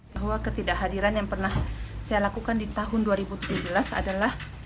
bahwa ketidakhadiran yang pernah saya lakukan di tahun dua ribu tujuh belas adalah